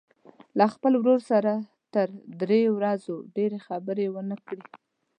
له خپل ورور سره تر درې ورځو ډېرې خبرې ونه کړي.